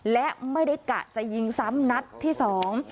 และไม่ได้กะจะยิงซ้ำนัดที่สอง